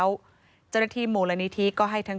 พบหน้าลูกแบบเป็นร่างไร้วิญญาณ